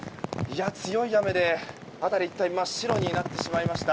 強い雨で辺り一帯真っ白になってしまいました。